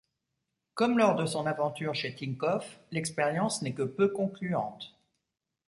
Comme lors de son aventure chez Tinkoff, l'expérience n'est que peu concluantes.